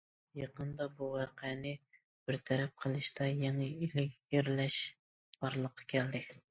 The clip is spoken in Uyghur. يېقىندا بۇ ۋەقەنى بىر تەرەپ قىلىشتا يېڭى ئىلگىرىلەش بارلىققا كەلدى.